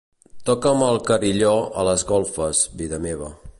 Toca'm el carilló a les golfes, vida meva.